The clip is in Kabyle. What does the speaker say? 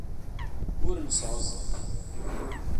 Ur nesɛuẓẓeg.